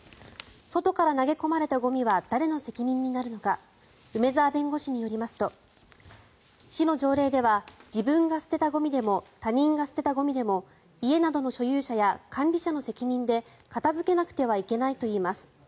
外から投げ込まれたゴミは誰の責任になるのか梅澤弁護士によりますと市の条例では自分が捨てたゴミでも他人が捨てたゴミでも家などの所有者や管理者の責任で片付けなくてはいけないといいます。